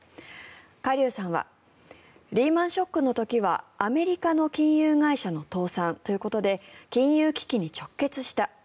カ・リュウさんはリーマン・ショックの時はアメリカの金融会社の倒産ということで金融危機に直結した。